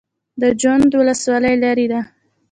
د جوند ولسوالۍ لیرې ده